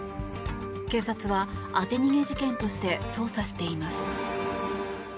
警察は当て逃げ事件として捜査しています。